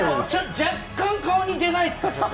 若干、顔似てないっすか。